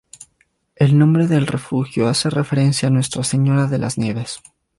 El nombre del refugio hace referencia a Nuestra Señora de las Nieves.